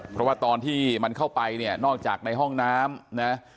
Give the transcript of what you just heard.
เพราะว่าตอนที่มันเข้าไปเนี่ยนอกจากในห้องน้ำนะ